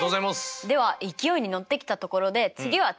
では勢いに乗ってきたところで次はちょっと変化球！